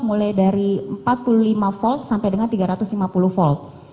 mulai dari empat puluh lima volt sampai dengan tiga ratus lima puluh volt